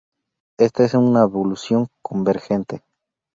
Esta es una evolución convergente.